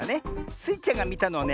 スイちゃんがみたのはね